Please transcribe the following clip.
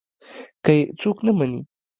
که يې څوک نه مني.